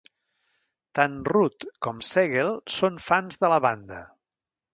Tant Rudd com Segel són fans de la banda.